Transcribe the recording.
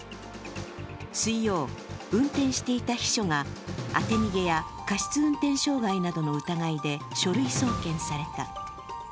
水曜、運転していた秘書が当て逃げや過失運転傷害などの疑いで書類送検された。